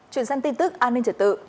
chuyển sang tin tức an ninh trật tự